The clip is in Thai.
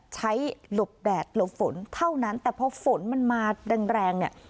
หลบแดดหลบฝนเท่านั้นแต่พอฝนมันมาแรงแรงเนี่ย